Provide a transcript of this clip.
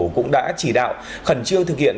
cũng đã chỉ đạo khẩn trương thực hiện